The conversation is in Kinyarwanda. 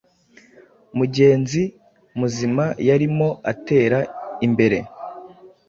mugenzi muzima yarimo atera imbere